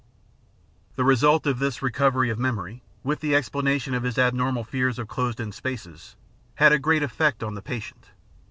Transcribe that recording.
The result of this recovery of memory, with the explana tion of his abnormal fears of closed in spaces, had a great effect on the patient.